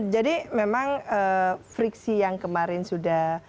jadi memang friksi yang kemarin sudah